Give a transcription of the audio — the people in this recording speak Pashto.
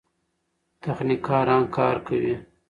تخنیکران کار کوي.